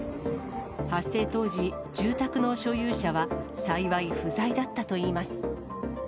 発生当時、住宅の所有者は幸い不在だったといいます。